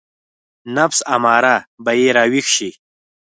نفس اماره به يې راويښ شي.